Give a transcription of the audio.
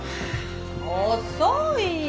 遅いよ。